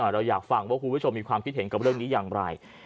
เราอยากฟังว่าคุณผู้ชมมีความคิดเห็นกับเรื่องนี้อย่างไร